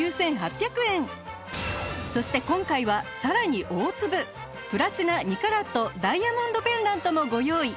そして今回はさらに大粒プラチナ２カラットダイヤモンドペンダントもご用意